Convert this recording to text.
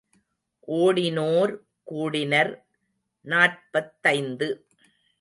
ஓடினோர் கூடினர் நாற்பத்தைந்து.